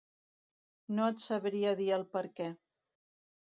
No et sabria dir el perquè.